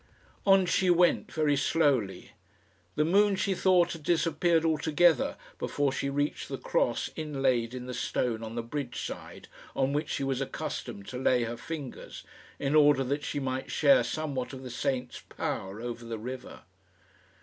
On she went, very slowly. The moon, she thought, had disappeared altogether before she reached the cross inlaid in the stone on the bridge side, on which she was accustomed to lay her fingers, in order that she might share somewhat of the saint's power over the river.